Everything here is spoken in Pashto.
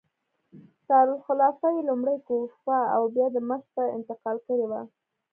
دارالخلافه یې لومړی کوفې او بیا دمشق ته انتقال کړې وه.